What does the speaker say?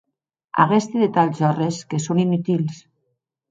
Aguesti detalhs òrres que son inutils.